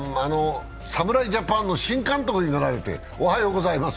侍ジャパンの新監督になられて、おめでとうございます。